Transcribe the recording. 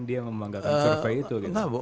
dia membanggakan survei itu